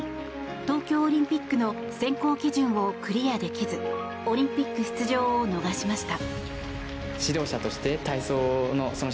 東京オリンピックの選考基準をクリアできずオリンピック出場を逃しました。